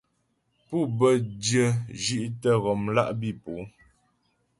Pû bə́ dyə̂ zhí'tə ghɔmlá' bǐ po.